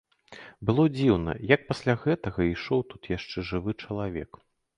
Было дзіўна, як пасля гэтага ішоў тут яшчэ жывы чалавек.